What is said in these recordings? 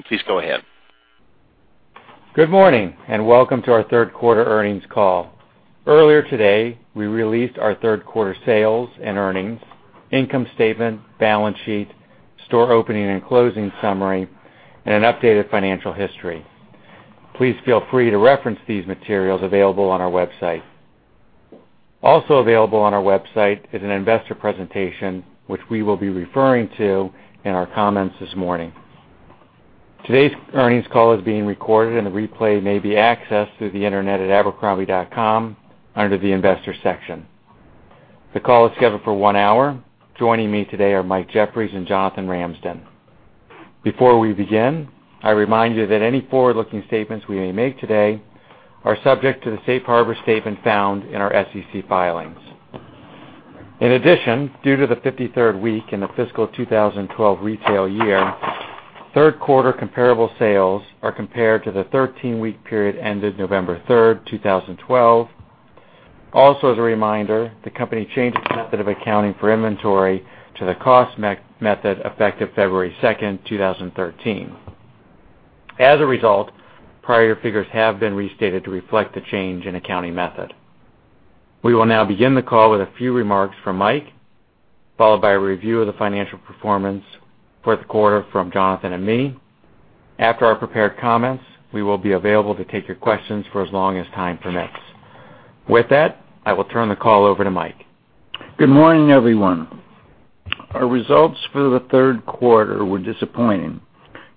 Please go ahead. Good morning, welcome to our third quarter earnings call. Earlier today, we released our third quarter sales and earnings, income statement, balance sheet, store opening and closing summary, and an updated financial history. Please feel free to reference these materials available on our website. Also available on our website is an investor presentation, which we will be referring to in our comments this morning. Today's earnings call is being recorded, and a replay may be accessed through the internet at abercrombie.com under the investor section. The call is scheduled for one hour. Joining me today are Mike Jeffries and Jonathan Ramsden. Before we begin, I remind you that any forward-looking statements we may make today are subject to the safe harbor statement found in our SEC filings. In addition, due to the 53rd week in the fiscal 2012 retail year, third quarter comparable sales are compared to the 13-week period ended November 3rd, 2012. Also, as a reminder, the company changed its method of accounting for inventory to the cost method effective February 2nd, 2013. As a result, prior figures have been restated to reflect the change in accounting method. We will now begin the call with a few remarks from Mike, followed by a review of the financial performance for the quarter from Jonathan and me. After our prepared comments, we will be available to take your questions for as long as time permits. With that, I will turn the call over to Mike. Good morning, everyone. Our results for the third quarter were disappointing,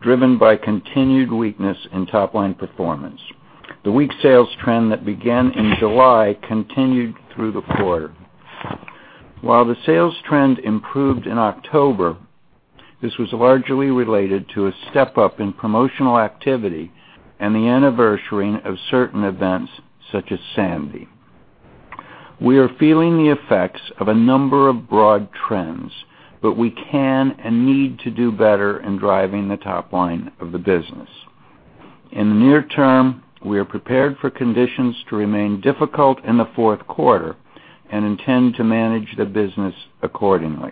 driven by continued weakness in top-line performance. The weak sales trend that began in July continued through the quarter. While the sales trend improved in October, this was largely related to a step-up in promotional activity and the anniversarying of certain events, such as Sandy. We are feeling the effects of a number of broad trends, but we can and need to do better in driving the top line of the business. In the near term, we are prepared for conditions to remain difficult in the fourth quarter and intend to manage the business accordingly.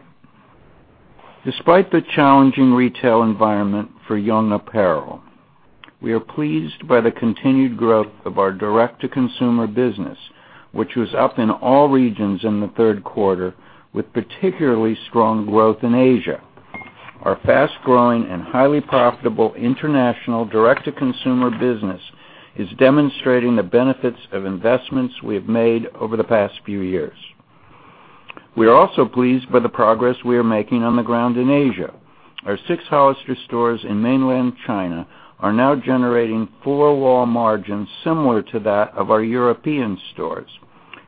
Despite the challenging retail environment for young apparel, we are pleased by the continued growth of our direct-to-consumer business, which was up in all regions in the third quarter, with particularly strong growth in Asia. Our fast-growing and highly profitable international direct-to-consumer business is demonstrating the benefits of investments we have made over the past few years. We are also pleased by the progress we are making on the ground in Asia. Our six Hollister stores in mainland China are now generating four-wall margins similar to that of our European stores.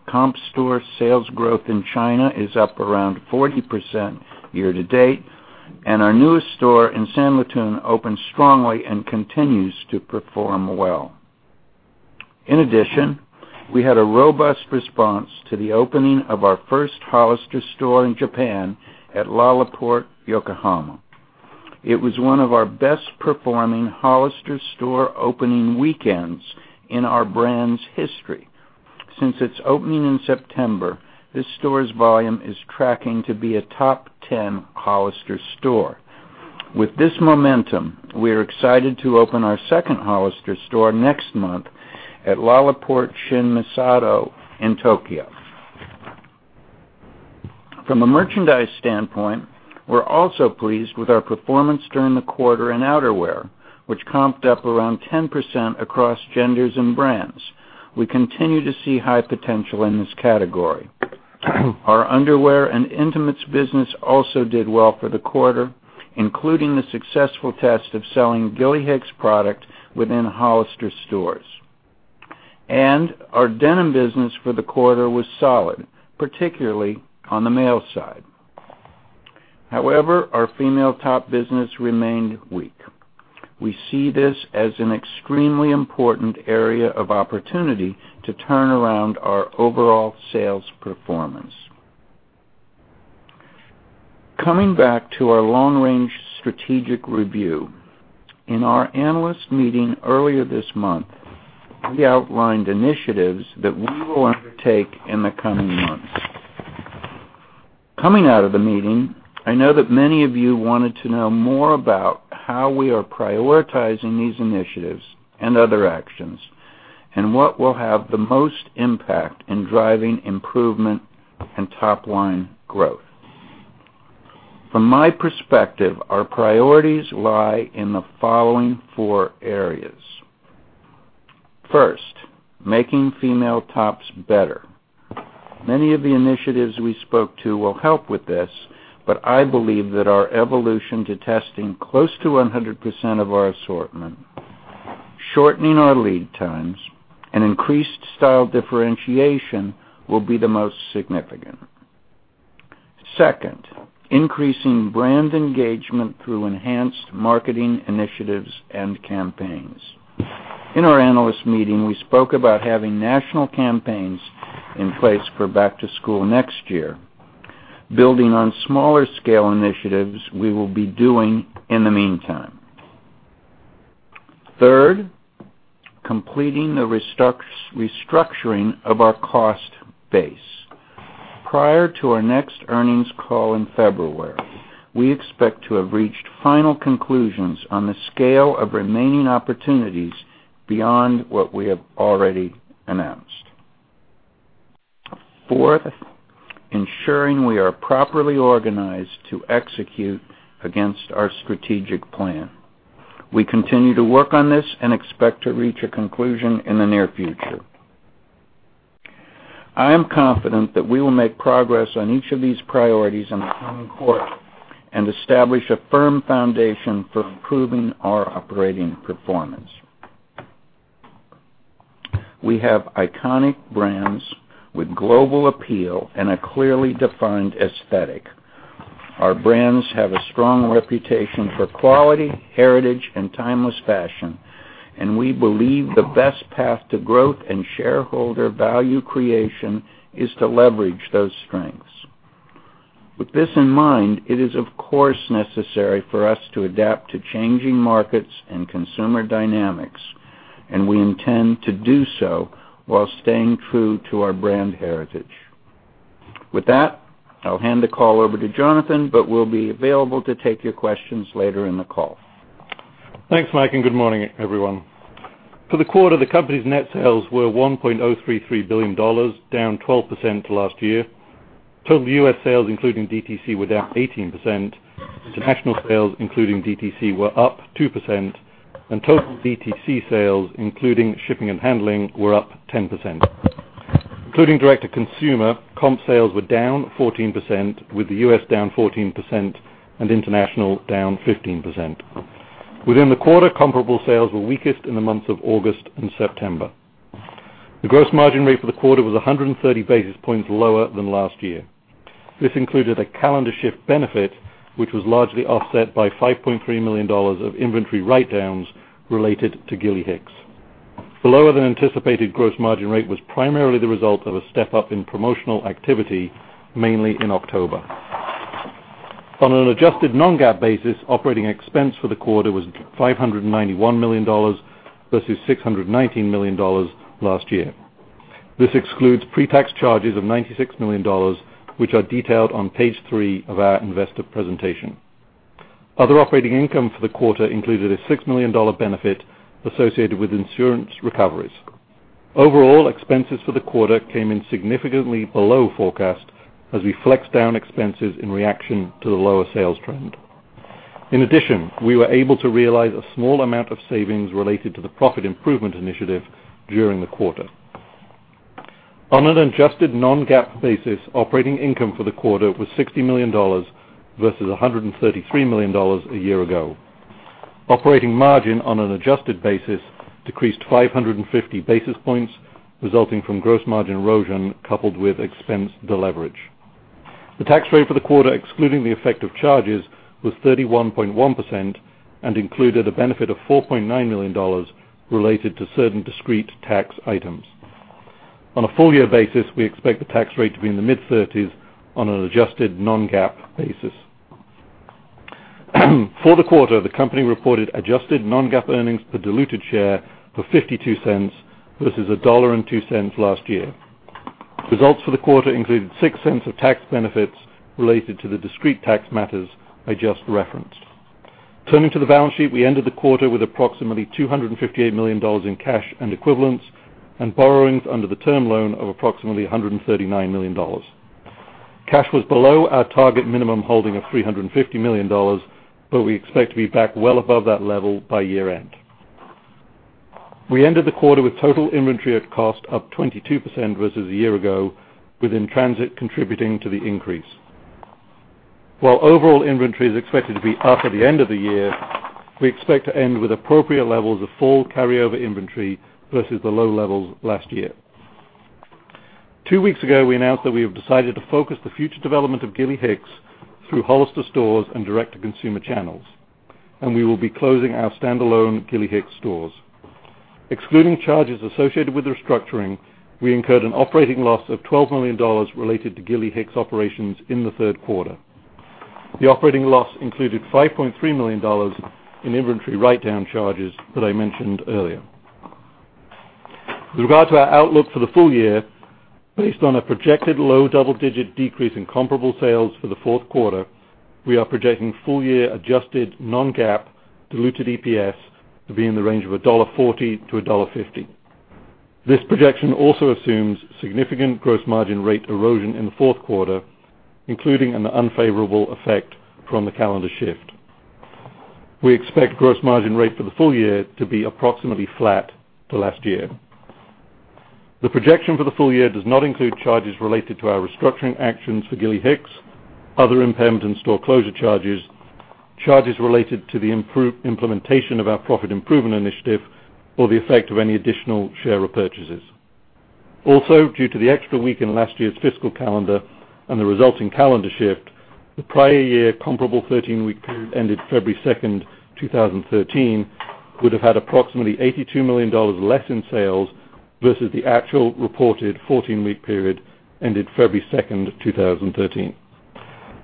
Comp store sales growth in China is up around 40% year to date, and our newest store in Sanlitun opened strongly and continues to perform well. In addition, we had a robust response to the opening of our first Hollister store in Japan at LaLaport, Yokohama. It was one of our best-performing Hollister store opening weekends in our brand's history. Since its opening in September, this store's volume is tracking to be a top 10 Hollister store. With this momentum, we are excited to open our second Hollister store next month at LaLaport Shin-Misato in Tokyo. From a merchandise standpoint, we're also pleased with our performance during the quarter in outerwear, which comped up around 10% across genders and brands. We continue to see high potential in this category. Our underwear and intimates business also did well for the quarter, including the successful test of selling Gilly Hicks product within Hollister stores. Our denim business for the quarter was solid, particularly on the male side. However, our female top business remained weak. We see this as an extremely important area of opportunity to turn around our overall sales performance. Coming back to our long-range strategic review. In our analyst meeting earlier this month, we outlined initiatives that we will undertake in the coming months. Coming out of the meeting, I know that many of you wanted to know more about how we are prioritizing these initiatives and other actions, and what will have the most impact in driving improvement and top-line growth. From my perspective, our priorities lie in the following four areas. First, making female tops better. Many of the initiatives we spoke to will help with this, but I believe that our evolution to testing close to 100% of our assortment, shortening our lead times, and increased style differentiation will be the most significant. Second, increasing brand engagement through enhanced marketing initiatives and campaigns. In our analyst meeting, we spoke about having national campaigns in place for back to school next year, building on smaller-scale initiatives we will be doing in the meantime. Third, completing the restructuring of our cost base. Prior to our next earnings call in February, we expect to have reached final conclusions on the scale of remaining opportunities beyond what we have already announced. Fourth, ensuring we are properly organized to execute against our strategic plan. We continue to work on this and expect to reach a conclusion in the near future. I am confident that we will make progress on each of these priorities in the coming quarter and establish a firm foundation for improving our operating performance. We have iconic brands with global appeal and a clearly defined aesthetic. Our brands have a strong reputation for quality, heritage, and timeless fashion, and we believe the best path to growth and shareholder value creation is to leverage those strengths. With this in mind, it is, of course, necessary for us to adapt to changing markets and consumer dynamics. We intend to do so while staying true to our brand heritage. With that, I'll hand the call over to Jonathan. We'll be available to take your questions later in the call. Thanks, Mike, and good morning, everyone. For the quarter, the company's net sales were $1.033 billion, down 12% to last year. Total U.S. sales, including DTC, were down 18%. International sales, including DTC, were up 2%. Total DTC sales, including shipping and handling, were up 10%. Including direct-to-consumer, comp sales were down 14%, with the U.S. down 14% and international down 15%. Within the quarter, comparable sales were weakest in the months of August and September. The gross margin rate for the quarter was 130 basis points lower than last year. This included a calendar shift benefit, which was largely offset by $5.3 million of inventory write-downs related to Gilly Hicks. The lower-than-anticipated gross margin rate was primarily the result of a step-up in promotional activity, mainly in October. On an adjusted non-GAAP basis, operating expense for the quarter was $591 million versus $619 million last year. This excludes pretax charges of $96 million, which are detailed on page three of our investor presentation. Other operating income for the quarter included a $6 million benefit associated with insurance recoveries. Overall, expenses for the quarter came in significantly below forecast as we flexed down expenses in reaction to the lower sales trend. In addition, we were able to realize a small amount of savings related to the profit improvement initiative during the quarter. On an adjusted non-GAAP basis, operating income for the quarter was $60 million versus $133 million a year ago. Operating margin on an adjusted basis decreased 550 basis points, resulting from gross margin erosion coupled with expense deleverage. The tax rate for the quarter, excluding the effect of charges, was 31.1% and included a benefit of $4.9 million related to certain discrete tax items. On a full-year basis, we expect the tax rate to be in the mid-30s on an adjusted non-GAAP basis. For the quarter, the company reported adjusted non-GAAP earnings per diluted share for $0.52 versus $1.02 last year. Results for the quarter included $0.06 of tax benefits related to the discrete tax matters I just referenced. Turning to the balance sheet, we ended the quarter with approximately $258 million in cash and equivalents and borrowings under the term loan of approximately $139 million. Cash was below our target minimum holding of $350 million. We expect to be back well above that level by year-end. We ended the quarter with total inventory at cost up 22% versus a year ago, with transit contributing to the increase. While overall inventory is expected to be up at the end of the year, we expect to end with appropriate levels of full carryover inventory versus the low levels last year. Two weeks ago, we announced that we have decided to focus the future development of Gilly Hicks through Hollister stores and direct-to-consumer channels, and we will be closing our standalone Gilly Hicks stores. Excluding charges associated with the restructuring, we incurred an operating loss of $12 million related to Gilly Hicks operations in the third quarter. The operating loss included $5.3 million in inventory write-down charges that I mentioned earlier. With regard to our outlook for the full year, based on a projected low double-digit decrease in comparable sales for the fourth quarter, we are projecting full year adjusted non-GAAP diluted EPS to be in the range of $1.40-$1.50. This projection also assumes significant gross margin rate erosion in the fourth quarter, including an unfavorable effect from the calendar shift. We expect gross margin rate for the full year to be approximately flat to last year. The projection for the full year does not include charges related to our restructuring actions for Gilly Hicks, other impairment and store closure charges related to the implementation of our profit improvement initiative, or the effect of any additional share repurchases. Due to the extra week in last year's fiscal calendar and the resulting calendar shift, the prior year comparable 13-week period ended February 2nd, 2013, would have had approximately $82 million less in sales versus the actual reported 14-week period ended February 2nd, 2013.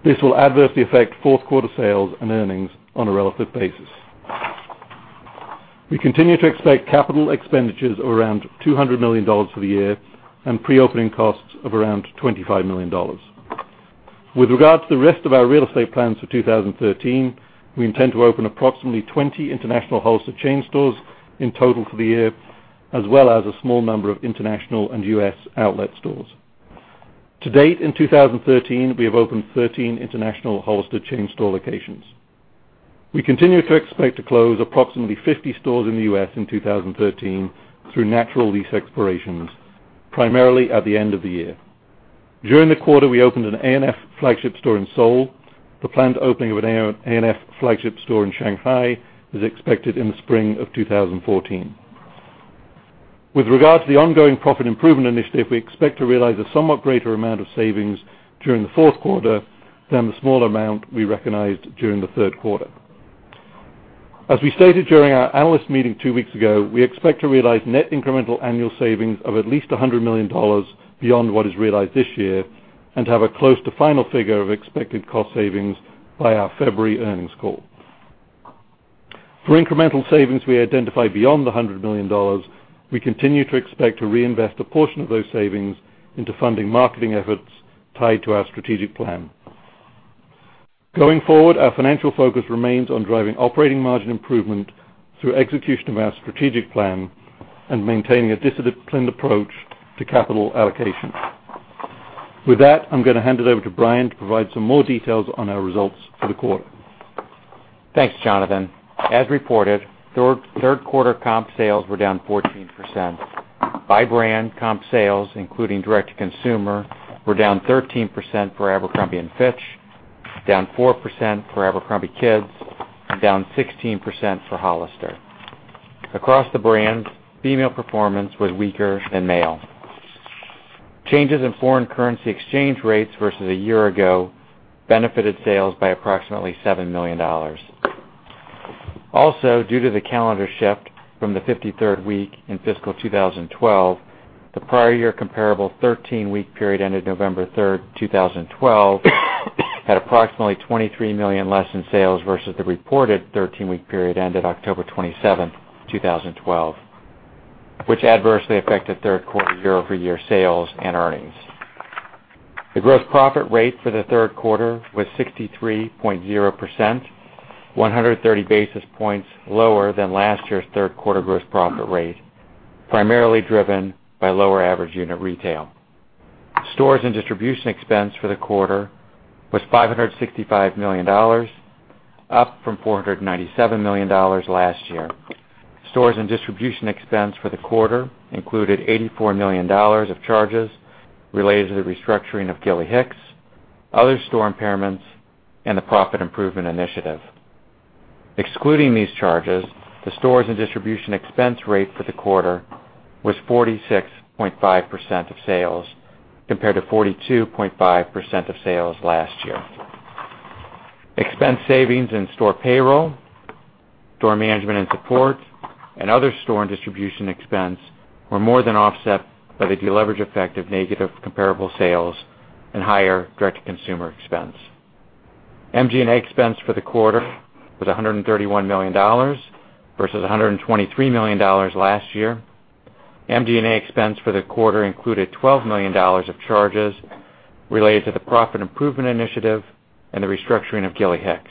This will adversely affect fourth-quarter sales and earnings on a relative basis. We continue to expect capital expenditures around $200 million for the year and pre-opening costs of around $25 million. With regard to the rest of our real estate plans for 2013, we intend to open approximately 20 international Hollister chain stores in total for the year, as well as a small number of international and U.S. outlet stores. To date, in 2013, we have opened 13 international Hollister chain store locations. We continue to expect to close approximately 50 stores in the U.S. in 2013 through natural lease expirations, primarily at the end of the year. During the quarter, we opened an A&F flagship store in Seoul. The planned opening of an A&F flagship store in Shanghai is expected in the spring of 2014. With regard to the ongoing profit improvement initiative, we expect to realize a somewhat greater amount of savings during the fourth quarter than the small amount we recognized during the third quarter. As we stated during our analyst meeting two weeks ago, we expect to realize net incremental annual savings of at least $100 million beyond what is realized this year, and have a close to final figure of expected cost savings by our February earnings call. For incremental savings we identified beyond the $100 million, we continue to expect to reinvest a portion of those savings into funding marketing efforts tied to our strategic plan. Going forward, our financial focus remains on driving operating margin improvement through execution of our strategic plan and maintaining a disciplined approach to capital allocation. With that, I'm going to hand it over to Brian to provide some more details on our results for the quarter. Thanks, Jonathan. As reported, third quarter comp sales were down 14%. By brand, comp sales, including direct-to-consumer, were down 13% for Abercrombie & Fitch, down 4% for abercrombie kids, and down 16% for Hollister. Across the brands, female performance was weaker than male. Changes in foreign currency exchange rates versus a year ago benefited sales by approximately $7 million. Also, due to the calendar shift from the 53rd week in fiscal 2012, the prior year comparable 13-week period ended November 3rd, 2012, had approximately $23 million less in sales versus the reported 13-week period ended October 27th, 2012, which adversely affected third quarter year-over-year sales and earnings. The gross profit rate for the third quarter was 63.0%, 130 basis points lower than last year's third quarter gross profit rate, primarily driven by lower average unit retail. Stores and distribution expense for the quarter was $565 million, up from $497 million last year. Stores and distribution expense for the quarter included $84 million of charges related to the restructuring of Gilly Hicks, other store impairments, and the Profit Improvement Initiative. Excluding these charges, the stores and distribution expense rate for the quarter was 46.5% of sales, compared to 42.5% of sales last year. Expense savings in store payroll, store management and support, and other store and distribution expense were more than offset by the deleverage effect of negative comparable sales and higher direct-to-consumer expense. MG&A expense for the quarter was $131 million versus $123 million last year. MG&A expense for the quarter included $12 million of charges related to the Profit Improvement Initiative and the restructuring of Gilly Hicks.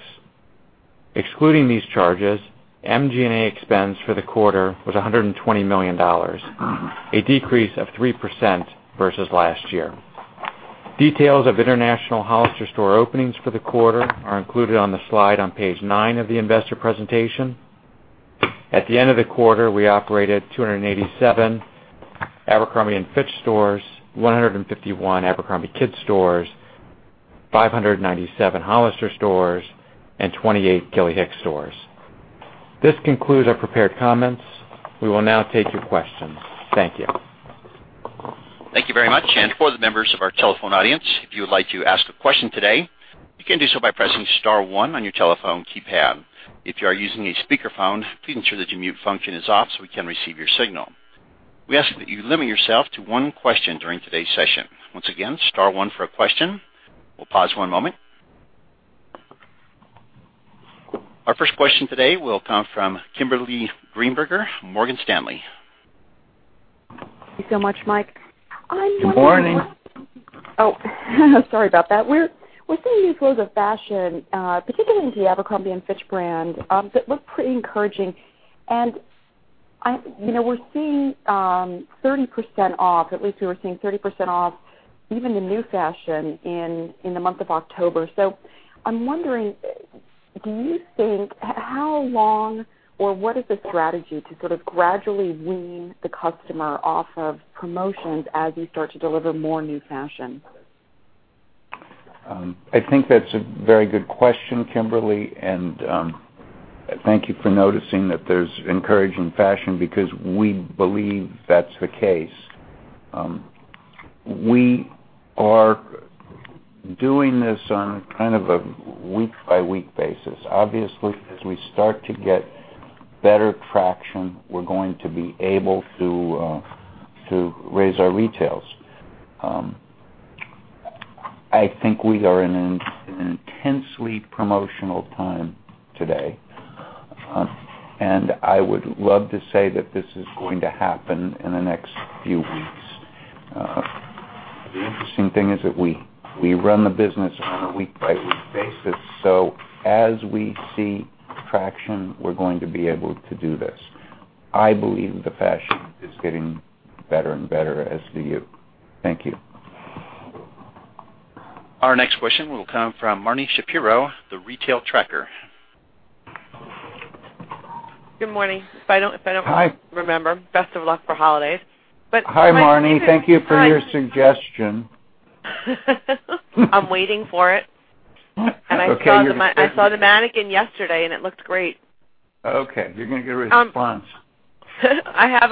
Excluding these charges, MG&A expense for the quarter was $120 million, a decrease of 3% versus last year. Details of international Hollister store openings for the quarter are included on the slide on page nine of the investor presentation. At the end of the quarter, we operated 287 Abercrombie & Fitch stores, 151 abercrombie kids stores, 597 Hollister stores, and 28 Gilly Hicks stores. This concludes our prepared comments. We will now take your questions. Thank you. Thank you very much. For the members of our telephone audience, if you would like to ask a question today, you can do so by pressing star one on your telephone keypad. If you are using a speakerphone, please ensure that your mute function is off so we can receive your signal. We ask that you limit yourself to one question during today's session. Once again, star one for a question. We'll pause one moment. Our first question today will come from Kimberly Greenberger, Morgan Stanley. Thank you so much, Mike. Good morning. Oh sorry about that. We're seeing these flows of fashion, particularly into the Abercrombie & Fitch brand, that look pretty encouraging. We're seeing 30% off, at least we were seeing 30% off even the new fashion in the month of October. I'm wondering, do you think, how long or what is the strategy to sort of gradually wean the customer off of promotions as you start to deliver more new fashion? I think that's a very good question, Kimberly, thank you for noticing that there's encouraging fashion because we believe that's the case. We are doing this on kind of a week-by-week basis. Obviously, as we start to get better traction, we're going to be able to raise our retails. I think we are in an intensely promotional time today. I would love to say that this is going to happen in the next few weeks. The interesting thing is that we run the business on a week-by-week basis. As we see traction, we're going to be able to do this. I believe the fashion is getting better and better, as do you. Thank you. Our next question will come from Marni Shapiro, The Retail Tracker. Good morning. Hi remember, best of luck for holidays. Hi, Marni. Thank you for your suggestion. I'm waiting for it. Okay. I saw the mannequin yesterday, and it looked great. Okay. You're going to get a response. I have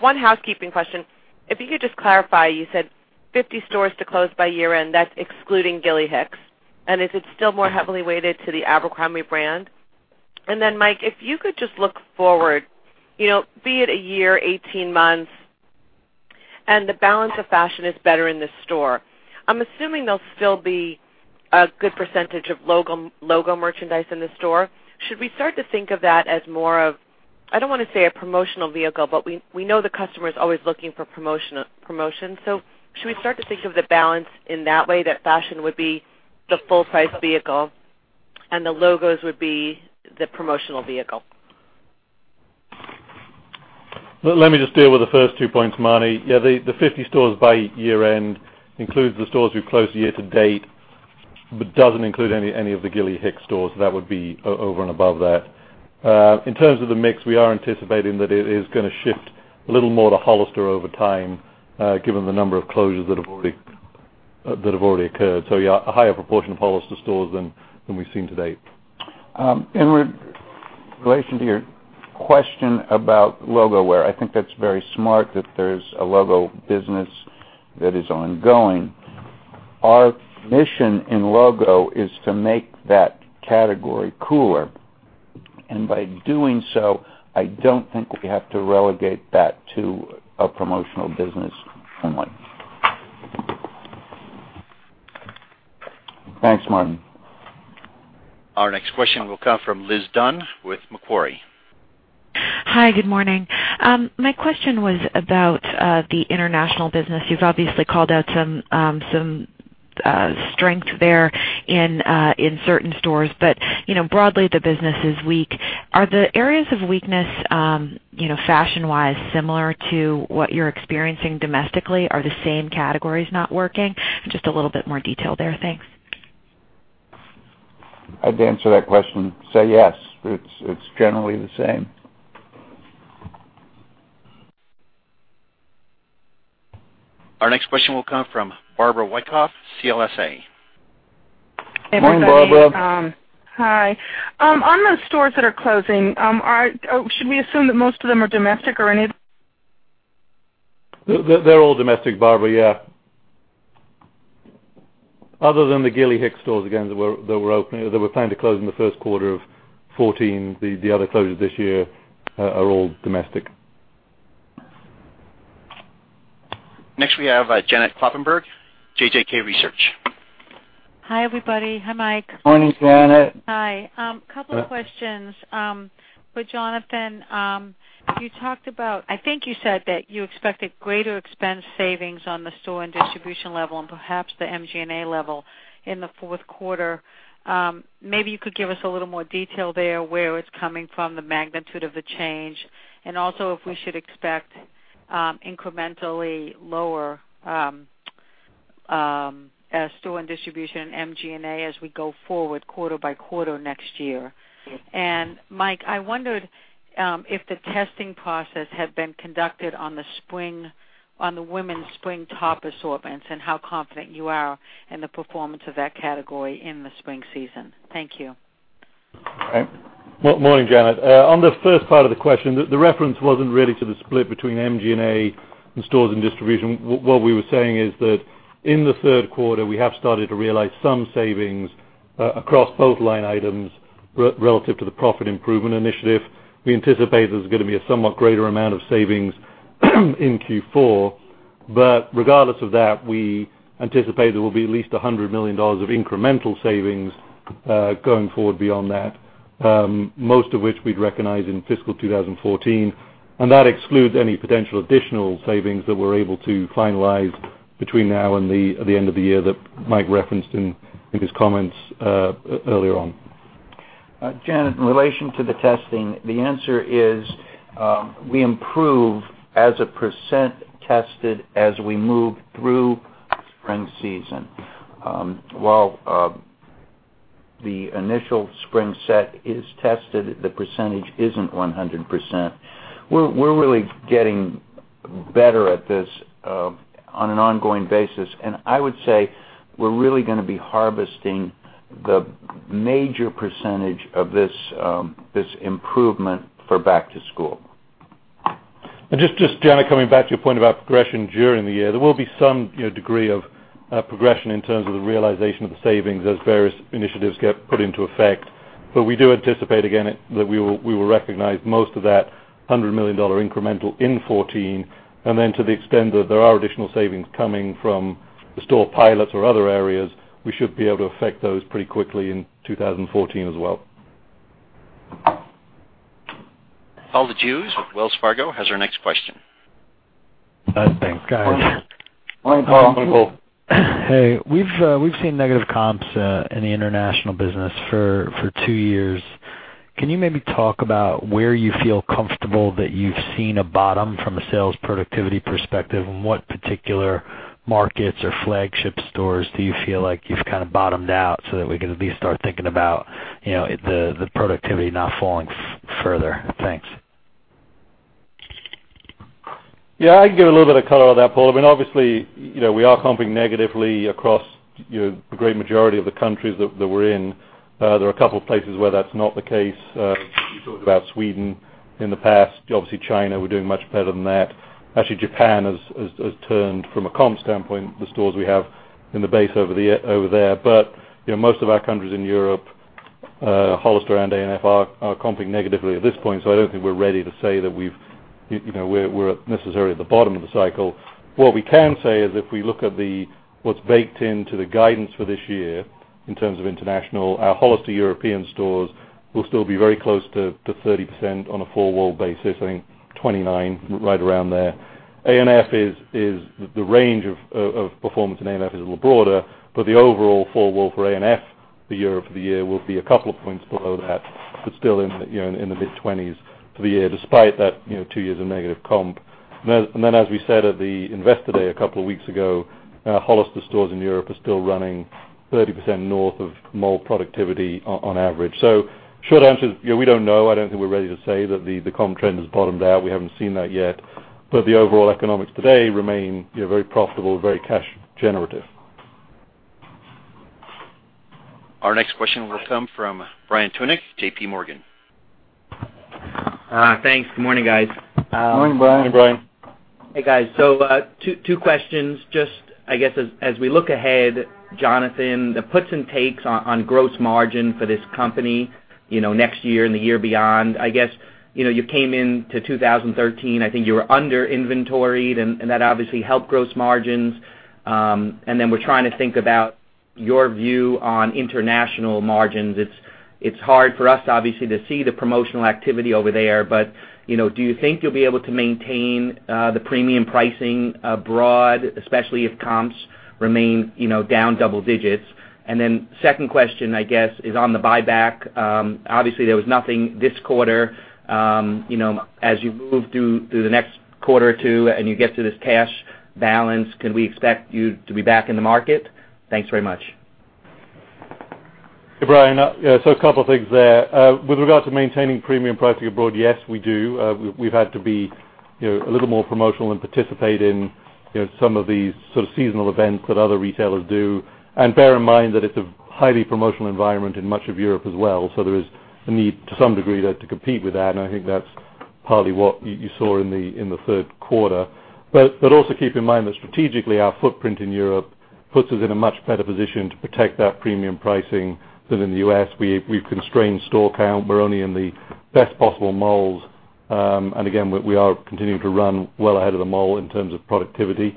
One housekeeping question. If you could just clarify, you said 50 stores to close by year-end. That's excluding Gilly Hicks. Is it still more heavily weighted to the Abercrombie brand? Mike, if you could just look forward, be it a year, 18 months, the balance of fashion is better in the store. I'm assuming there'll still be a good percentage of logo merchandise in the store. Should we start to think of that as more of, I don't want to say a promotional vehicle, but we know the customer is always looking for promotions. Should we start to think of the balance in that way, that fashion would be the full-price vehicle and the logos would be the promotional vehicle? Let me just deal with the first two points, Marni. The 50 stores by year-end includes the stores we've closed year to date, but doesn't include any of the Gilly Hicks stores. That would be over and above that. In terms of the mix, we are anticipating that it is going to shift a little more to Hollister over time, given the number of closures that have already occurred. A higher proportion of Hollister stores than we've seen to date. In relation to your question about logo wear, I think that's very smart that there's a logo business that is ongoing. Our mission in logo is to make that category cooler. By doing so, I don't think we have to relegate that to a promotional business only. Thanks, Marni. Our next question will come from Liz Dunn with Macquarie. Hi, good morning. My question was about the international business. You've obviously called out some strength there in certain stores. Broadly, the business is weak. Are the areas of weakness fashion-wise similar to what you're experiencing domestically? Are the same categories not working? Just a little bit more detail there. Thanks. I'd answer that question, say yes. It's generally the same. Our next question will come from Barbara Wyckoff, CLSA. Morning, Barbara. Hey, everybody. Hi. On the stores that are closing, should we assume that most of them are domestic or any- They're all domestic, Barbara, yeah. Other than the Gilly Hicks stores, again, that we're planning to close in the first quarter of 2014, the other closures this year are all domestic. Next we have Janet Kloppenburg, JJK Research. Hi, everybody. Hi, Mike. Morning, Janet. Hi. Couple of questions. For Jonathan, you talked about, I think you said that you expected greater expense savings on the store and distribution level, and perhaps the MG&A level in the fourth quarter. Maybe you could give us a little more detail there, where it's coming from, the magnitude of the change, and also if we should expect incrementally lower store and distribution MG&A as we go forward quarter by quarter next year. Mike, I wondered if the testing process had been conducted on the women's spring top assortments, and how confident you are in the performance of that category in the spring season. Thank you. Right. Well, morning, Janet. On the first part of the question, the reference wasn't really to the split between MG&A and stores and distribution. What we were saying is that in the third quarter, we have started to realize some savings across both line items relative to the profit improvement initiative. We anticipate there's going to be a somewhat greater amount of savings in Q4. Regardless of that, we anticipate there will be at least $100 million of incremental savings going forward beyond that, most of which we'd recognize in fiscal 2014, and that excludes any potential additional savings that we're able to finalize between now and the end of the year that Mike referenced in his comments earlier on. Janet, in relation to the testing, the answer is we improve as a % tested as we move through spring season. While the initial spring set is tested, the percentage isn't 100%. We're really getting better at this on an ongoing basis. I would say we're really going to be harvesting the major percentage of this improvement for back to school. Just, Janet, coming back to your point about progression during the year, there will be some degree of progression in terms of the realization of the savings as various initiatives get put into effect. We do anticipate again, that we will recognize most of that $100 million incremental in 2014. To the extent that there are additional savings coming from the store pilots or other areas, we should be able to affect those pretty quickly in 2014 as well. Paul Lejuez with Wells Fargo has our next question. Thanks, guys. Morning, Paul. Hey. We've seen negative comps in the international business for two years. Can you maybe talk about where you feel comfortable that you've seen a bottom from a sales productivity perspective, and what particular markets or flagship stores do you feel like you've kind of bottomed out so that we can at least start thinking about the productivity not falling further? Thanks. Yeah, I can give a little bit of color on that, Paul. Obviously, we are comping negatively across the great majority of the countries that we're in. There are a couple of places where that's not the case. You talked about Sweden in the past. Obviously, China, we're doing much better than that. Actually, Japan has turned from a comp standpoint, the stores we have in the base over there. Most of our countries in Europe, Hollister and A&F are comping negatively at this point. I don't think we're ready to say that we're necessarily at the bottom of the cycle. What we can say is if we look at what's baked into the guidance for this year, in terms of international, our Hollister European stores will still be very close to 30% on a four-wall basis. I think 29%, right around there. The range of performance in A&F is a little broader, the overall four-wall for A&F for the year will be a couple of points below that, but still in the mid-20s for the year, despite that two years of negative comp. As we said at the investor day a couple of weeks ago, Hollister stores in Europe are still running 30% north of mall productivity on average. The short answer is, we don't know. I don't think we're ready to say that the comp trend has bottomed out. We haven't seen that yet. The overall economics today remain very profitable, very cash generative. Our next question will come from Brian Tunick, JPMorgan. Thanks. Good morning, guys. Morning, Brian. Hey, Brian. Hey, guys. Two questions. I guess as we look ahead, Jonathan, the puts and takes on gross margin for this company, next year and the year beyond. I guess, you came into 2013, I think you were under inventoried, and that obviously helped gross margins. We're trying to think about your view on international margins. It's hard for us, obviously, to see the promotional activity over there. Do you think you'll be able to maintain the premium pricing abroad, especially if comps remain down double digits? Second question, I guess, is on the buyback. Obviously, there was nothing this quarter. As you move through the next quarter or two and you get to this cash balance, can we expect you to be back in the market? Thanks very much. Hey, Brian. A couple things there. With regard to maintaining premium pricing abroad, yes, we do. We've had to be a little more promotional and participate in some of these sort of seasonal events that other retailers do. Bear in mind that it's a highly promotional environment in much of Europe as well. There is a need to some degree there to compete with that, and I think that's partly what you saw in the third quarter. Also keep in mind that strategically, our footprint in Europe puts us in a much better position to protect that premium pricing than in the U.S. We've constrained store count. We're only in the best possible malls. Again, we are continuing to run well ahead of the mall in terms of productivity.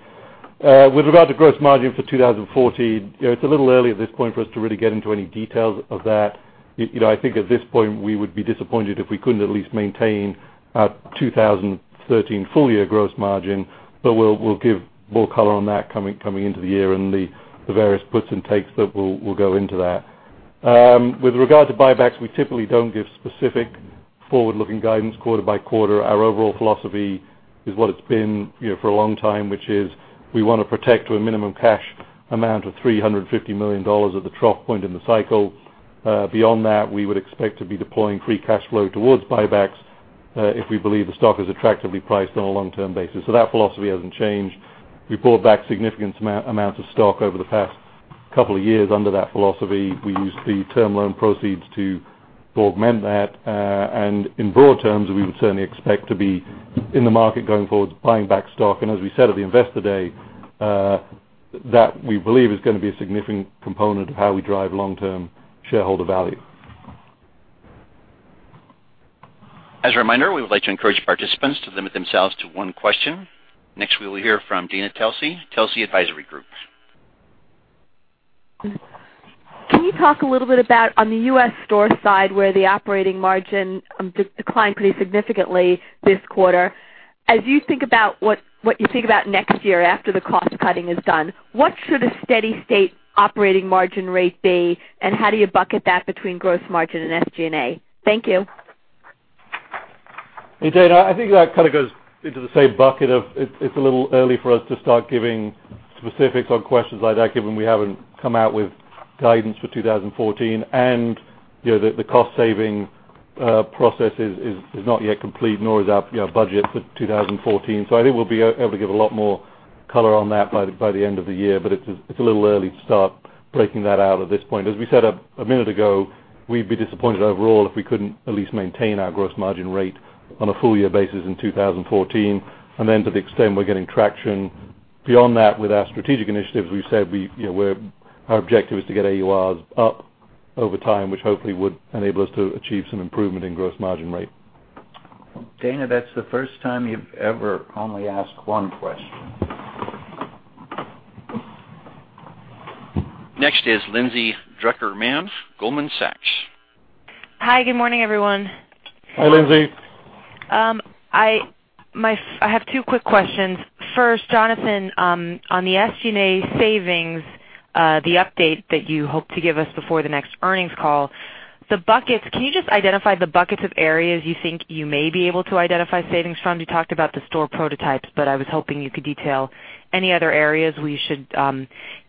With regard to gross margin for 2014. It's a little early at this point for us to really get into any details of that. I think at this point, we would be disappointed if we couldn't at least maintain our 2013 full-year gross margin. We'll give more color on that coming into the year and the various puts and takes that will go into that. With regard to buybacks, we typically don't give specific forward-looking guidance quarter by quarter. Our overall philosophy is what it's been for a long time, which is we want to protect to a minimum cash amount of $350 million at the trough point in the cycle. Beyond that, we would expect to be deploying free cash flow towards buybacks if we believe the stock is attractively priced on a long-term basis. That philosophy hasn't changed. We bought back significant amounts of stock over the past couple of years under that philosophy. We used the term loan proceeds to augment that. In broad terms, we would certainly expect to be in the market going forwards, buying back stock. As we said at the investor day, that we believe is going to be a significant component of how we drive long-term shareholder value. As a reminder, we would like to encourage participants to limit themselves to one question. Next, we will hear from Dana Telsey, Telsey Advisory Group. Can you talk a little bit about, on the U.S. store side, where the operating margin declined pretty significantly this quarter. As you think about what you think about next year after the cost-cutting is done, what should a steady state operating margin rate be, and how do you bucket that between gross margin and SG&A? Thank you. Hey, Dana. I think that kind of goes into the same bucket of it's a little early for us to start giving specifics on questions like that, given we haven't come out with guidance for 2014. The cost-saving process is not yet complete, nor is our budget for 2014. I think we'll be able to give a lot more color on that by the end of the year. It's a little early to start breaking that out at this point. As we said a minute ago, we'd be disappointed overall if we couldn't at least maintain our gross margin rate on a full-year basis in 2014. Then to the extent we're getting traction beyond that, with our strategic initiatives, we've said our objective is to get AURs up over time, which hopefully would enable us to achieve some improvement in gross margin rate. Dana, that's the first time you've ever only asked one question. Next is Lindsay Drucker Mann, Goldman Sachs. Hi, good morning, everyone. Hi, Lindsay. I have two quick questions. First, Jonathan, on the SG&A savings, the update that you hope to give us before the next earnings call. The buckets, can you just identify the buckets of areas you think you may be able to identify savings from? You talked about the store prototypes, but I was hoping you could detail any other areas we should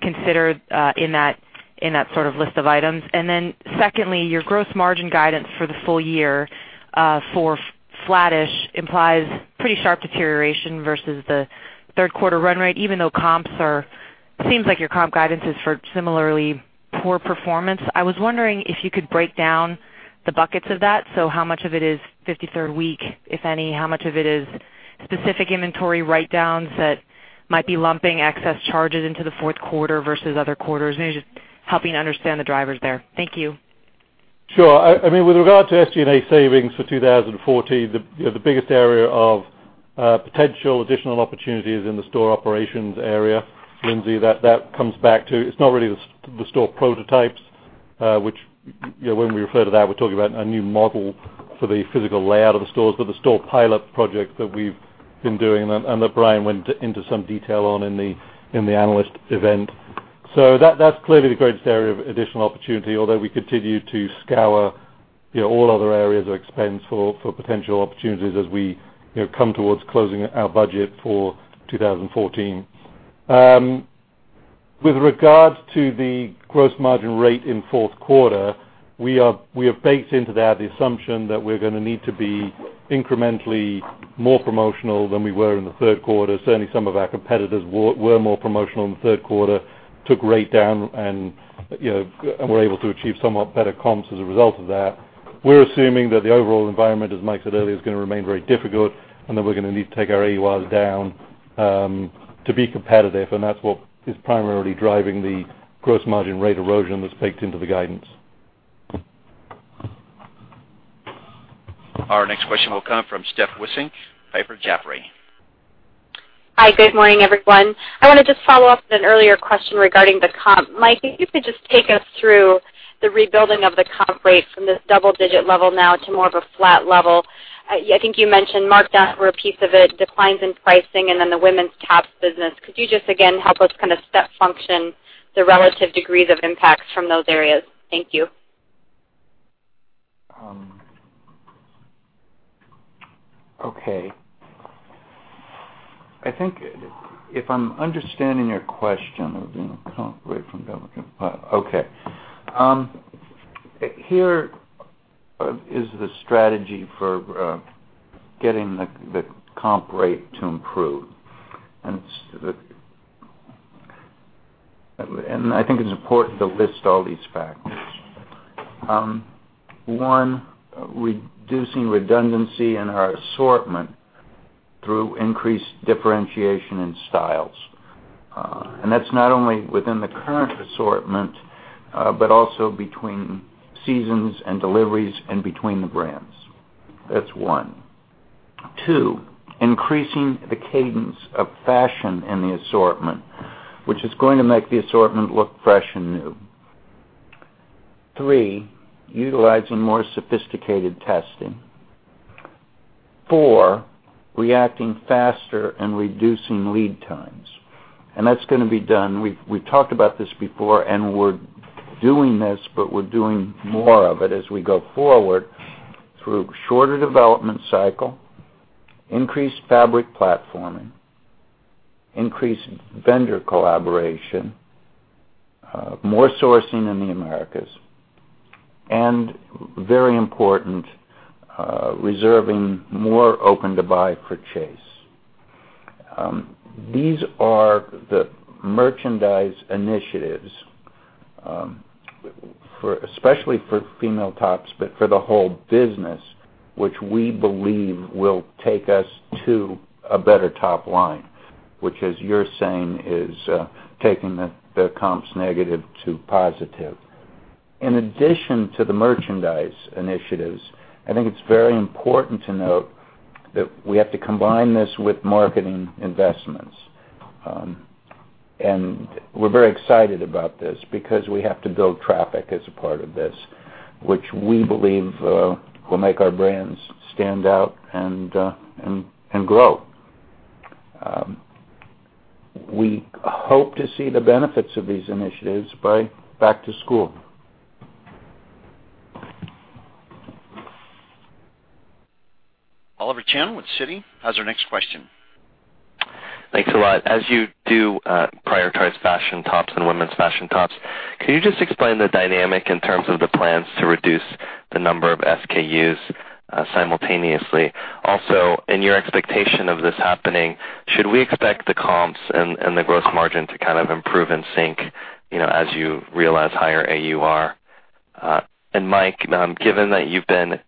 consider in that sort of list of items. Secondly, your gross margin guidance for the full year for flattish implies pretty sharp deterioration versus the third quarter run rate, even though comps seems like your comp guidance is for similarly poor performance. I was wondering if you could break down the buckets of that. How much of it is 53rd week, if any? How much of it is specific inventory write-downs that might be lumping excess charges into the fourth quarter versus other quarters? Maybe just helping understand the drivers there. Thank you. Sure. With regard to SG&A savings for 2014, the biggest area of potential additional opportunity is in the store operations area, Lindsay. That comes back to, it's not really the store prototypes, which when we refer to that, we're talking about a new model for the physical layout of the stores, but the store pilot project that we've been doing and that Brian went into some detail on in the analyst event. That's clearly the greatest area of additional opportunity, although we continue to scour all other areas of expense for potential opportunities as we come towards closing our budget for 2014. With regards to the gross margin rate in fourth quarter, we have baked into that the assumption that we're going to need to be incrementally more promotional than we were in the third quarter. Certainly, some of our competitors were more promotional in the third quarter, took rate down, and were able to achieve somewhat better comps as a result of that. We're assuming that the overall environment, as Mike said earlier, is going to remain very difficult and that we're going to need to take our AURs down to be competitive, and that's what is primarily driving the gross margin rate erosion that's baked into the guidance. Our next question will come from Steph Wissink, Piper Jaffray. Hi, good morning, everyone. I want to just follow up on an earlier question regarding the comp. Mike, if you could just take us through the rebuilding of the comp rate from this double-digit level now to more of a flat level. I think you mentioned marked down for a piece of it, declines in pricing, and then the women's tops business. Could you just, again, help us kind of step function the relative degrees of impacts from those areas? Thank you. Okay. I think if I'm understanding your question. Here is the strategy for getting the comp rate to improve. I think it's important to list all these factors. One, reducing redundancy in our assortment through increased differentiation in styles. That's not only within the current assortment, but also between seasons and deliveries and between the brands. That's one. Two, increasing the cadence of fashion in the assortment, which is going to make the assortment look fresh and new. Three, utilizing more sophisticated testing. Four, reacting faster and reducing lead times. That's going to be done. We've talked about this before, and we're doing this, but we're doing more of it as we go forward through shorter development cycle, increased fabric platforming, increased vendor collaboration, more sourcing in the Americas, and very important reserving more open-to-buy for chase. These are the merchandise initiatives, especially for female tops, but for the whole business, which we believe will take us to a better top line, which as you're saying, is taking the comps negative to positive. In addition to the merchandise initiatives, I think it's very important to note that we have to combine this with marketing investments. We're very excited about this because we have to build traffic as a part of this, which we believe will make our brands stand out and grow. We hope to see the benefits of these initiatives by back to school. Oliver Chen with Citi. Has our next question. Thanks a lot. As you do prioritize fashion tops and women's fashion tops, can you just explain the dynamic in terms of the plans to reduce the number of SKUs simultaneously? Also, in your expectation of this happening, should we expect the comps and the gross margin to kind of improve in sync as you realize higher AUR? Mike, given that you've been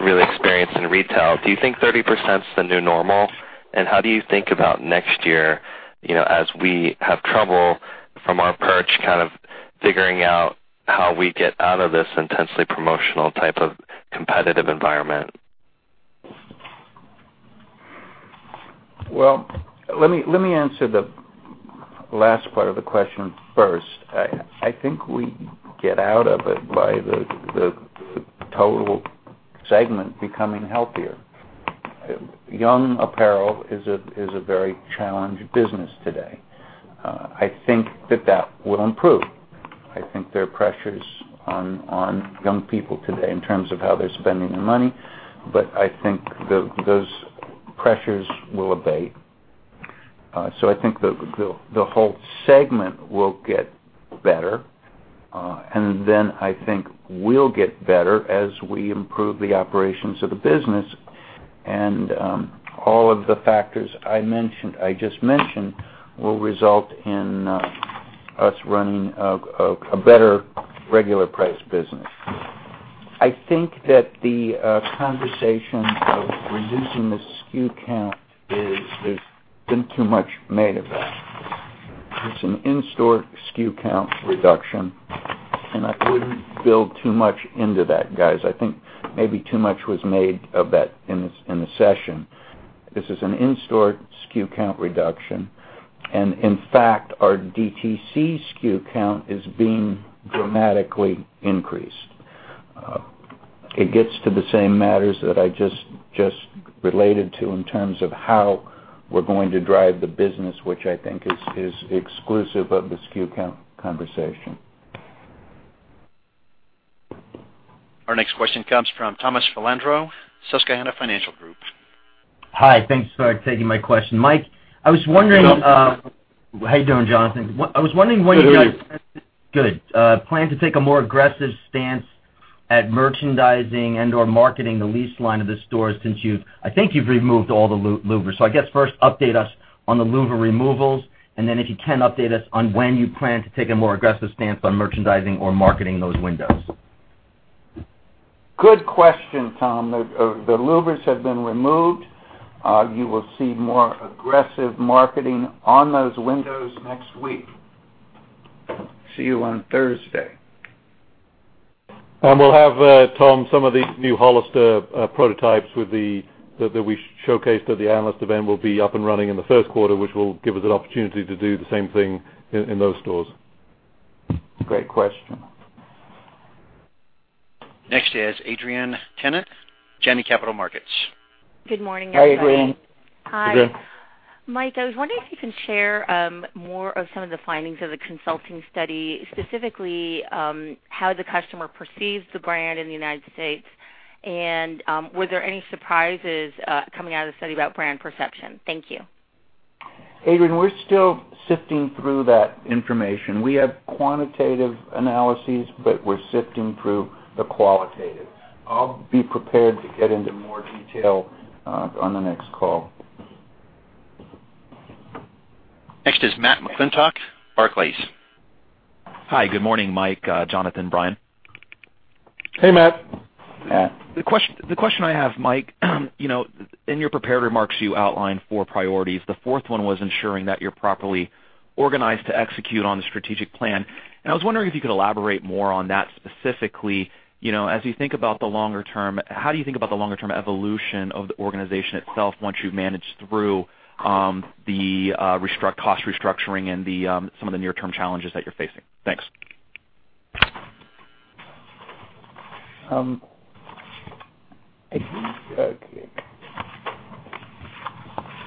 really experienced in retail. Do you think 30% is the new normal? How do you think about next year, as we have trouble from our perch, kind of figuring out how we get out of this intensely promotional type of competitive environment? Well, let me answer the last part of the question first. I think we get out of it by the total segment becoming healthier. Young apparel is a very challenged business today. I think that will improve. I think there are pressures on young people today in terms of how they're spending their money, but I think those pressures will abate. I think the whole segment will get better. I think we'll get better as we improve the operations of the business. All of the factors I just mentioned will result in us running a better regular priced business. I think that the conversation of reducing the SKU count is, there's been too much made of that. It's an in-store SKU count reduction, and I wouldn't build too much into that, guys. I think maybe too much was made of that in the session. This is an in-store SKU count reduction, and in fact, our DTC SKU count is being dramatically increased. It gets to the same matters that I just related to in terms of how we're going to drive the business, which I think is exclusive of the SKU count conversation. Our next question comes from Thomas Filandro, Susquehanna Financial Group. Hi, thanks for taking my question. Mike, I was wondering. You know. How you doing, Jonathan? Good. How are you? Good. Plan to take a more aggressive stance at merchandising and/or marketing the lease line of the stores since you've removed all the louvers. I guess first update us on the louver removals, then if you can, update us on when you plan to take a more aggressive stance on merchandising or marketing those windows. Good question, Tom. The louvers have been removed. You will see more aggressive marketing on those windows next week. See you on Thursday. We'll have, Tom, some of the new Hollister prototypes that we showcased at the analyst event will be up and running in the first quarter, which will give us an opportunity to do the same thing in those stores. Great question. Next is Adrienne Tennant, Janney Capital Markets. Good morning, guys. Hi, Adrienne. Adrienne. Hi. Mike, I was wondering if you can share more of some of the findings of the consulting study, specifically, how the customer perceives the brand in the U.S. Were there any surprises coming out of the study about brand perception? Thank you. Adrienne, we're still sifting through that information. We have quantitative analyses, but we're sifting through the qualitative. I'll be prepared to get into more detail on the next call. Next is Matthew McClintock, Barclays. Hi. Good morning, Mike, Jonathan, Brian. Hey, Matt. Matt. The question I have, Mike, in your prepared remarks, you outlined four priorities. The fourth one was ensuring that you're properly organized to execute on the strategic plan. I was wondering if you could elaborate more on that specifically. As you think about the longer term, how do you think about the longer term evolution of the organization itself once you've managed through the cost restructuring and some of the near-term challenges that you're facing? Thanks.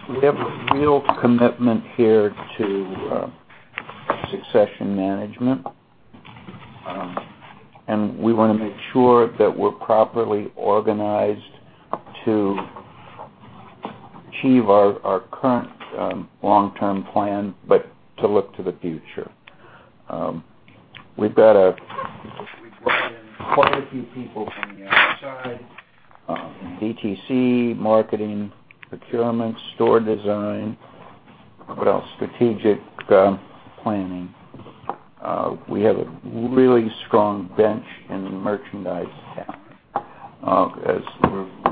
We have a real commitment here to succession management. We want to make sure that we're properly organized to achieve our current long-term plan, but to look to the future. We've brought in quite a few people from the outside, in DTC, marketing, procurement, store design. What else? Strategic planning. We have a really strong bench in the merchandise side as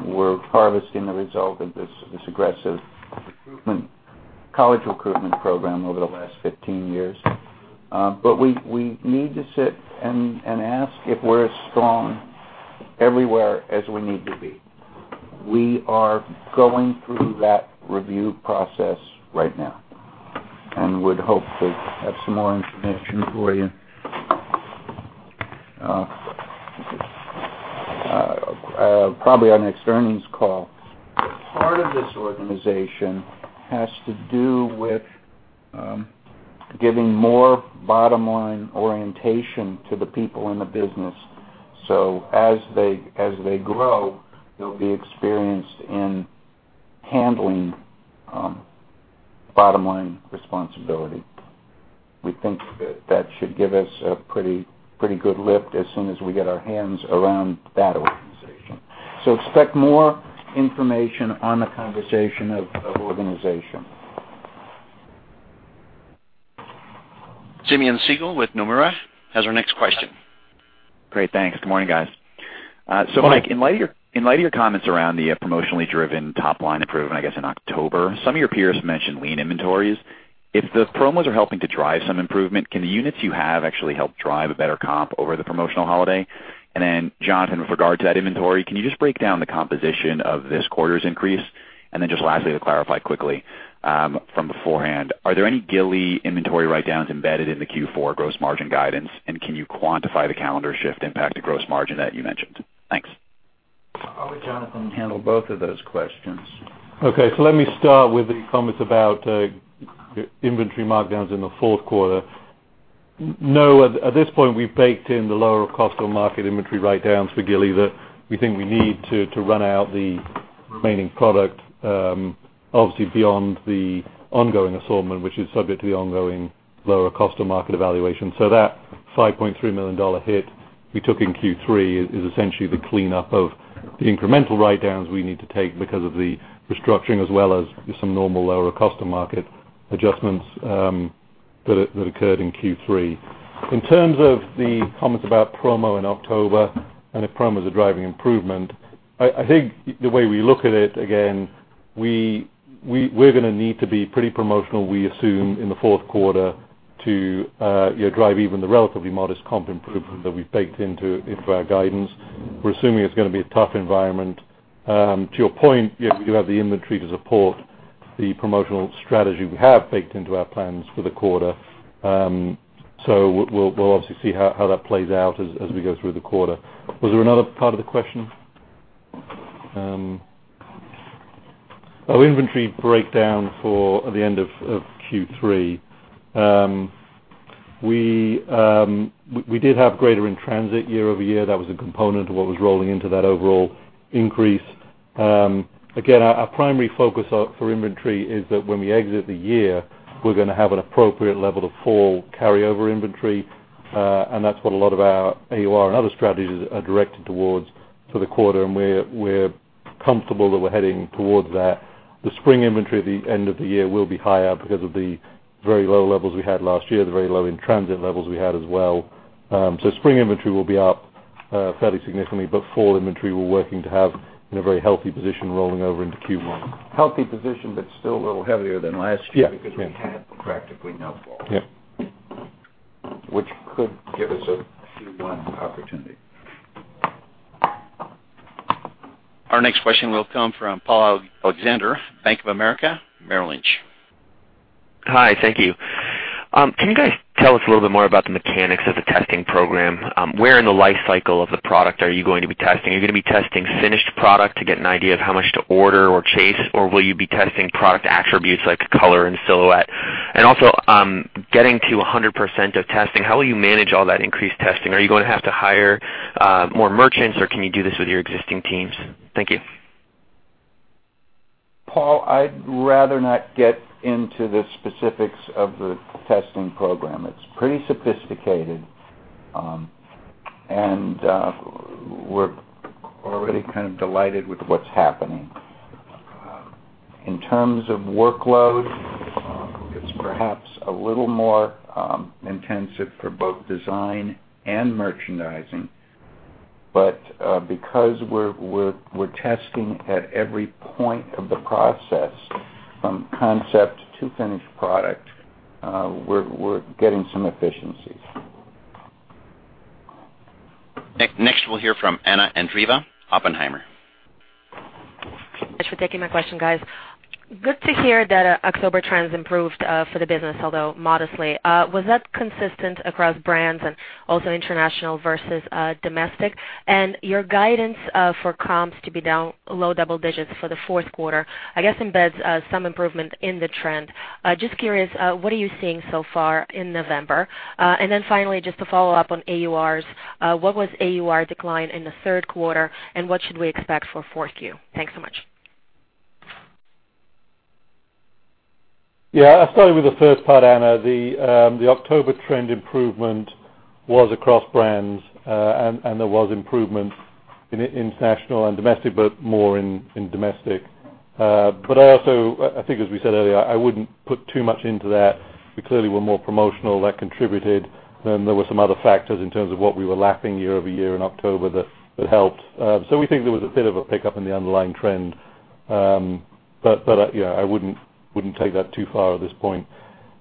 we're harvesting the result of this aggressive college recruitment program over the last 15 years. We need to sit and ask if we're as strong everywhere as we need to be. We are going through that review process right now and would hope to have some more information for you, probably on next earnings call. Part of this organization has to do with giving more bottom-line orientation to the people in the business. As they grow, they'll be experienced in handling bottom-line responsibility. We think that should give us a pretty good lift as soon as we get our hands around that organization. Expect more information on the conversation of organization Simeon Siegel with Nomura has our next question. Great. Thanks. Good morning, guys. Good morning. Mike, in light of your comments around the promotionally driven top-line improvement, I guess, in October. Some of your peers mentioned lean inventories. If those promos are helping to drive some improvement, can the units you have actually help drive a better comp over the promotional holiday? Jonathan, with regard to that inventory, can you just break down the composition of this quarter's increase? Lastly, to clarify quickly from beforehand, are there any Gilly inventory write-downs embedded in the Q4 gross margin guidance? Can you quantify the calendar shift impact to gross margin that you mentioned? Thanks. I'll let Jonathan handle both of those questions. Okay. Let me start with the comments about inventory markdowns in the fourth quarter. No, at this point, we've baked in the Lower of Cost or Market inventory write-downs for Gilly that we think we need to run out the remaining product, obviously beyond the ongoing assortment, which is subject to the ongoing Lower of Cost or Market evaluation. That $5.3 million hit we took in Q3 is essentially the cleanup of the incremental write-downs we need to take because of the restructuring, as well as some normal Lower of Cost or Market adjustments that occurred in Q3. In terms of the comments about promo in October and if promo is a driving improvement, I think the way we look at it again, we're going to need to be pretty promotional, we assume, in the fourth quarter to drive even the relatively modest comp improvement that we've baked into our guidance. We're assuming it's going to be a tough environment. To your point, we do have the inventory to support the promotional strategy we have baked into our plans for the quarter. We'll obviously see how that plays out as we go through the quarter. Was there another part of the question? Oh, inventory breakdown for the end of Q3. We did have greater in-transit year-over-year. That was a component of what was rolling into that overall increase. Again, our primary focus for inventory is that when we exit the year, we're going to have an appropriate level of fall carryover inventory. That's what a lot of our AUR and other strategies are directed towards for the quarter. We're comfortable that we're heading towards that. The spring inventory at the end of the year will be higher because of the very low levels we had last year, the very low in-transit levels we had as well. Spring inventory will be up fairly significantly. Fall inventory, we're working to have in a very healthy position rolling over into Q1. Healthy position, but still a little heavier than last year. Yeah Because we had practically no fall. Yeah. Which could give us a Q1 opportunity. Our next question will come from Paul Alexander, Bank of America Merrill Lynch. Hi. Thank you. Can you guys tell us a little bit more about the mechanics of the testing program? Where in the life cycle of the product are you going to be testing? Are you going to be testing finished product to get an idea of how much to order or chase? Will you be testing product attributes like color and silhouette? Also, getting to 100% of testing, how will you manage all that increased testing? Are you going to have to hire more merchants, or can you do this with your existing teams? Thank you. Paul, I'd rather not get into the specifics of the testing program. It's pretty sophisticated. We're already kind of delighted with what's happening. In terms of workload, it's perhaps a little more intensive for both design and merchandising. Because we're testing at every point of the process, from concept to finished product, we're getting some efficiencies. Next, we'll hear from Anna Andreeva, Oppenheimer. Thanks for taking my question, guys. Good to hear that October trends improved for the business, although modestly. Was that consistent across brands and also international versus domestic? Your guidance for comps to be down low double digits for the fourth quarter, I guess, embeds some improvement in the trend. Just curious, what are you seeing so far in November? Finally, just to follow up on AURs, what was AUR decline in the third quarter, and what should we expect for fourth Q? Thanks so much. I'll start with the first part, Anna. The October trend improvement was across brands. There was improvement in international and domestic, but more in domestic. Also, I think as we said earlier, I wouldn't put too much into that. We clearly were more promotional. That contributed. There were some other factors in terms of what we were lapping year-over-year in October that helped. We think there was a bit of a pickup in the underlying trend. I wouldn't take that too far at this point.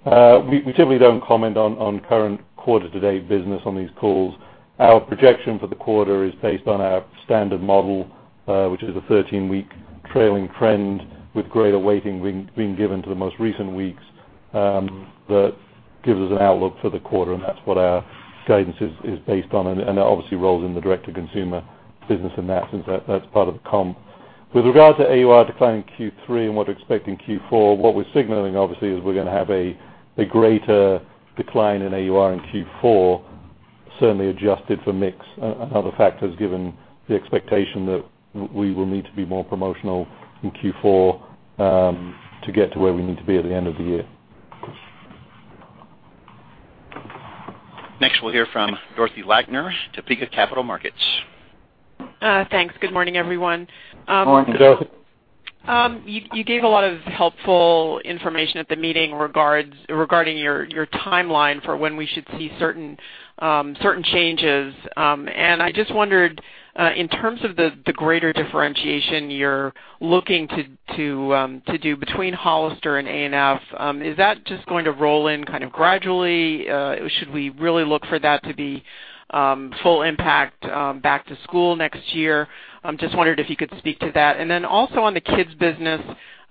We typically don't comment on current quarter-to-date business on these calls. Our projection for the quarter is based on our standard model, which is a 13-week trailing trend with greater weighting being given to the most recent weeks. That gives us an outlook for the quarter, and that's what our guidance is based on. That obviously rolls in the direct-to-consumer business and that since that's part of the comp. With regards to AUR decline in Q3 and what to expect in Q4, what we're signaling obviously is we're going to have a greater decline in AUR in Q4, certainly adjusted for mix and other factors, given the expectation that we will need to be more promotional in Q4 to get to where we need to be at the end of the year. Next, we'll hear from Dorothy Lakner, Topeka Capital Markets. Thanks. Good morning, everyone. Morning, Dorothy. I just wondered, in terms of the greater differentiation you're looking to do between Hollister Co. and A&F, is that just going to roll in gradually? Should we really look for that to be full impact back to school next year? Just wondered if you could speak to that. Also on the kids' business.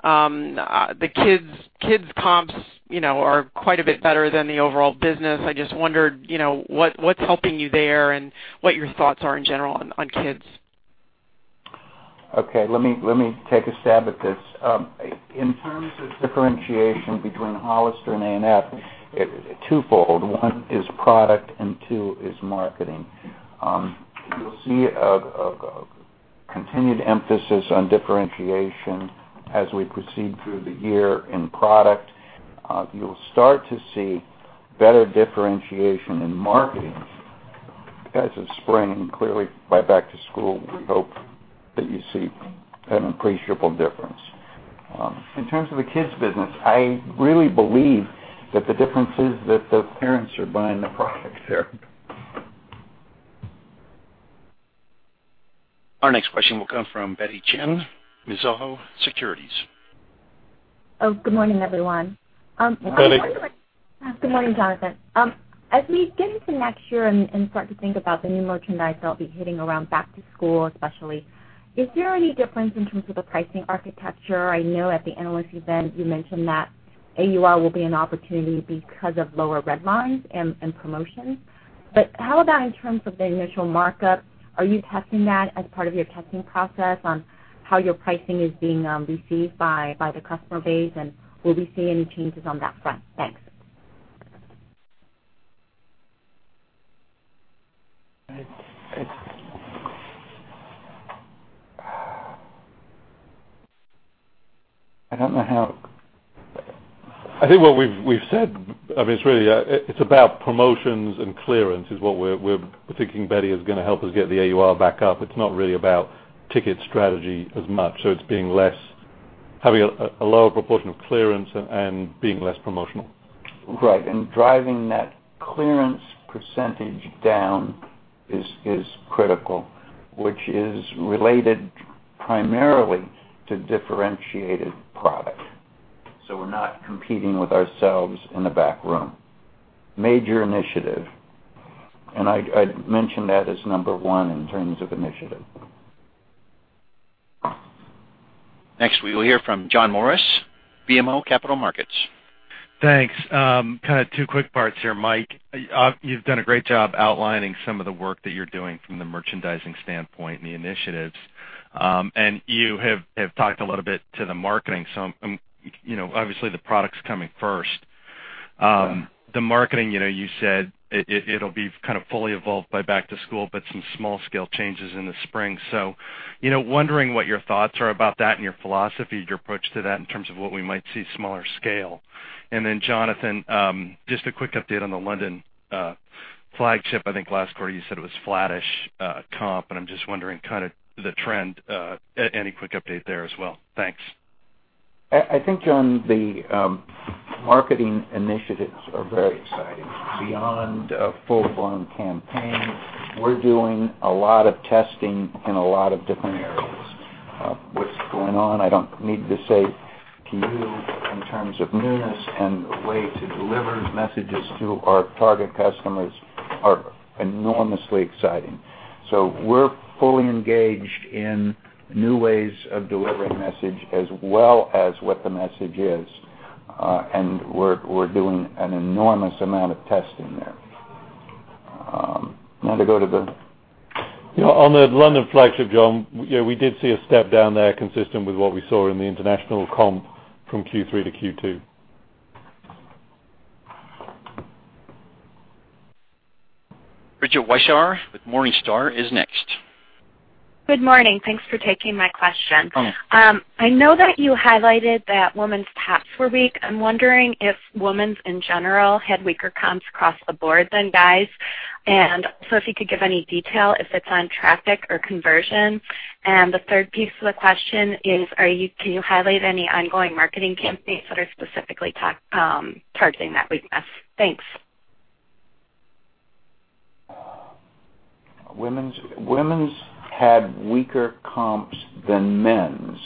The kids' comps are quite a bit better than the overall business. I just wondered what's helping you there, and what your thoughts are in general on kids. Okay, let me take a stab at this. In terms of differentiation between Hollister Co. and A&F, twofold. One is product and two is marketing. You'll see a continued emphasis on differentiation as we proceed through the year in product. You'll start to see better differentiation in marketing as of spring. Clearly, by back to school, we hope that you see an appreciable difference. In terms of the kids' business, I really believe that the difference is that the parents are buying the products there. Our next question will come from Betty Chen, Mizuho Securities. Oh, good morning, everyone. Betty. Good morning, Jonathan. As we get into next year and start to think about the new merchandise that will be hitting around back to school especially, is there any difference in terms of the pricing architecture? I know at the analyst event you mentioned that AUR will be an opportunity because of lower red lines and promotions. How about in terms of the initial markup? Are you testing that as part of your testing process on how your pricing is being received by the customer base? Will we see any changes on that front? Thanks. I don't know how I think what we've said, it's about promotions and clearance, is what we're thinking, Betty, is going to help us get the AUR back up. It's not really about ticket strategy as much. It's having a lower proportion of clearance and being less promotional. Right. Driving that clearance percentage down is critical, which is related primarily to differentiated product. We're not competing with ourselves in the back room. Major initiative. I'd mention that as number one in terms of initiative. Next, we will hear from John Morris, BMO Capital Markets. Thanks. Two quick parts here, Mike. You've done a great job outlining some of the work that you're doing from the merchandising standpoint and the initiatives. You have talked a little bit to the marketing. Obviously, the product's coming first. Yeah. The marketing, you said it'll be fully evolved by back to school, some small scale changes in the spring. Wondering what your thoughts are about that and your philosophy, your approach to that in terms of what we might see smaller scale. Jonathan, just a quick update on the London flagship. I think last quarter you said it was flattish comp, and I'm just wondering the trend. Any quick update there as well? Thanks. I think, John, the marketing initiatives are very exciting. Beyond a full-blown campaign, we're doing a lot of testing in a lot of different areas. What's going on, I don't need to say to you in terms of newness, and the way to deliver messages to our target customers are enormously exciting. We're fully engaged in new ways of delivering message as well as what the message is. We're doing an enormous amount of testing there. Now to go to the On the London flagship, John, we did see a step down there consistent with what we saw in the international comp from Q3 to Q2. Bridget Weishaar with Morningstar is next. Good morning. Thanks for taking my question. Sure. I know that you highlighted that women's tops were weak. I'm wondering if women's in general had weaker comps across the board than guys. Also, if you could give any detail if it's on traffic or conversion. The third piece of the question is, can you highlight any ongoing marketing campaigns that are specifically targeting that weakness? Thanks. Women's had weaker comps than men's.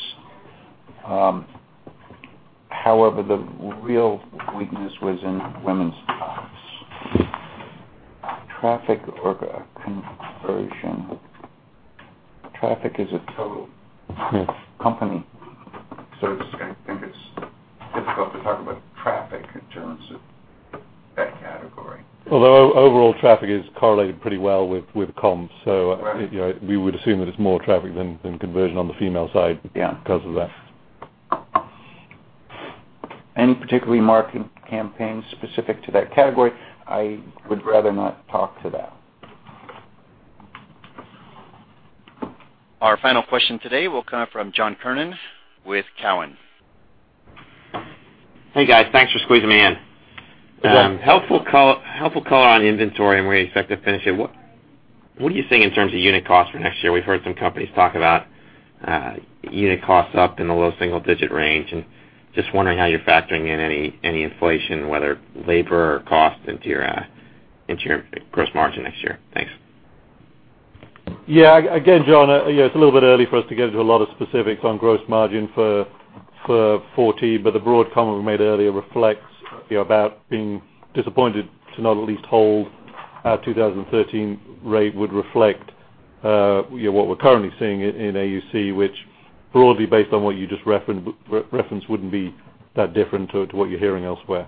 However, the real weakness was in women's tops. Traffic or conversion. Traffic is a total company service. I think it's difficult to talk about traffic in terms of that category. Although overall traffic is correlated pretty well with comps, so. Right We would assume that it's more traffic than conversion on the female side. Yeah because of that. Any particular marketing campaigns specific to that category, I would rather not talk to that. Our final question today will come from John Kernan with Cowen. Hey, guys. Thanks for squeezing me in. Sure. Helpful color on inventory and where you expect to finish it. What are you seeing in terms of unit cost for next year? We've heard some companies talk about unit costs up in the low single-digit range, and just wondering how you're factoring in any inflation, whether labor or cost, into your gross margin next year. Thanks. Yeah. Again, John, it's a little bit early for us to get into a lot of specifics on gross margin for 2014, but the broad comment we made earlier reflects about being disappointed to not at least hold our 2013 rate would reflect what we're currently seeing in AUC, which broadly based on what you just referenced wouldn't be that different to what you're hearing elsewhere.